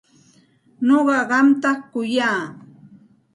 Nuqa qamta kuyaq.